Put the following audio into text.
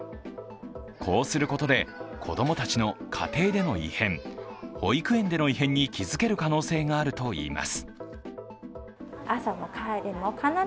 こうすることで子供たちの家庭での異変、保育園での異変に気づける可能性があるといいます。